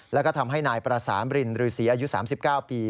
แล้วก็ทำให้นายประสานรินรือศรีอายุ๓๙ปี